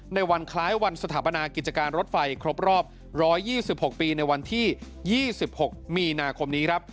ในวันคล้ายวันสถาปนากิจการรถไฟครบรอบ๑๒๖ปีในวันที่๒๖มีนาคมนี้ครับ